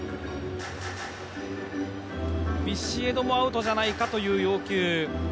ビシエドもアウトじゃないかという要求。